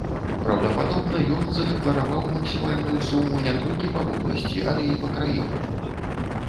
Праўдападобна, ён задэклараваў максімальную суму не толькі па вобласці, але і па краіне.